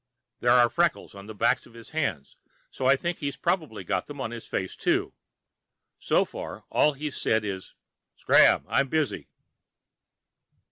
There are freckles on the backs of his hands, so I think he's probably got them on his face, too. So far, all he's said is, "Scram, I'm busy."